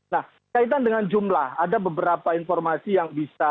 nah kaitan dengan jumlah ada beberapa informasi yang bisa